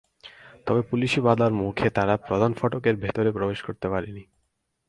তবে পুলিশি বাধার মুখে তাঁরা প্রধান ফটকের ভেতরে প্রবেশ করতে পারেননি।